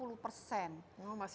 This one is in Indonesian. oh masih jauh di bawah